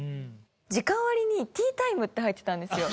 時間割にティータイムって入ってたんですよ。